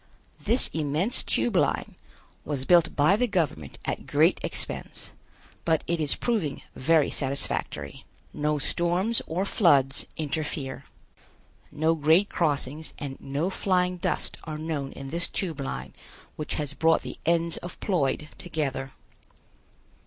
This immense Tube Line was built by the government at great expense, but it is proving very satisfactory. No storms or floods interfere. No grade crossings and no flying dust are known in this Tube Line which has brought the ends of Ploid together.